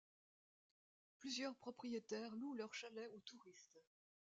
Plusieurs propriétaires louent leurs chalets aux touristes.